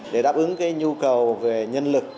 để đáp ứng cái nhu cầu về nhân lực